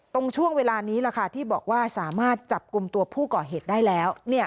ตรงช่วงเวลานี้แหละค่ะที่บอกว่าสามารถจับกลุ่มตัวผู้ก่อเหตุได้แล้ว